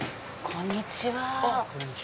こんにちは。